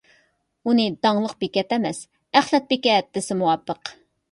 ئۇنى داڭلىق بېكەت ئەمەس، ئەخلەت بېكەت دېسە مۇۋاپىق.